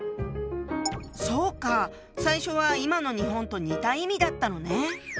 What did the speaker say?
そうか最初は今の日本と似た意味だったのね。